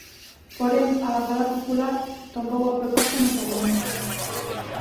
Porén, a bancada popular tombou a proposta no Parlamento.